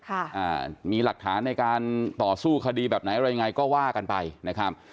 อ่ามีหลักฐานในการต่อสู้คดีแบบไหนอะไรยังไงก็ว่ากันไปนะครับ